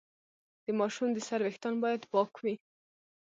د ماشوم د سر ویښتان باید پاک وي۔